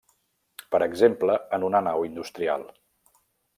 Per exemple, en una nau industrial.